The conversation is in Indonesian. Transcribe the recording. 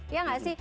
iya nggak sih